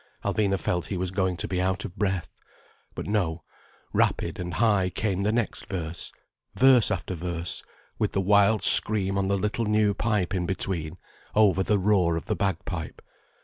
Alvina felt he was going to be out of breath. But no, rapid and high came the next verse, verse after verse, with the wild scream on the little new pipe in between, over the roar of the bagpipe.